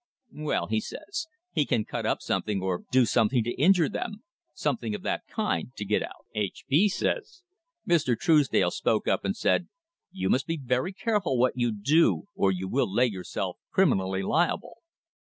'Well,' he says, 'he can cut up something or do something to injure them; something of that kind, to get out'; H. B. said this. Mr. Truesdale spoke up and said, 'You must be very careful what you do or you will lay yourself criminally liable.'